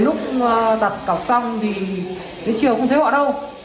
nhưng mà đến lúc đặt cặp xong thì đến chiều cũng thấy họ đâu